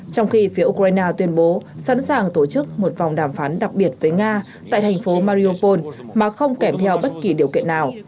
trong khi phía ukraine tuyên bố sẵn sàng tổ chức một vòng đàm phán đặc biệt với nga tại thành phố mariopol mà không kèm theo bất kỳ điều kiện nào